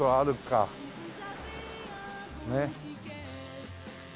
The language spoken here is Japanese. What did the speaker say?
ねっ。